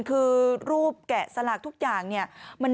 คือรูปแกะสลักทุกอย่างเนี่ย